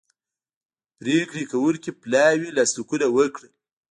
پریکړې کوونکي پلاوي لاسلیکونه وکړل